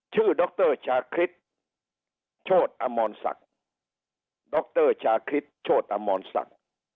ชื่อดรชาคริสโชทอมรสักดรชาคริสโชทอมรสัก